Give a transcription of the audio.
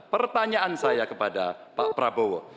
pertanyaan saya kepada pak prabowo